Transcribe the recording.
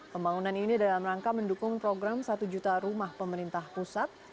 pembangunan ini dalam rangka mendukung program satu juta rumah pemerintah pusat